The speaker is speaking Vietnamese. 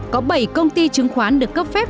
có bảy công ty trứng khoán được cấp phép